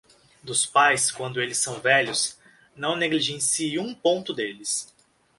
Dos pais quando eles são velhos, não negligencie um ponto deles.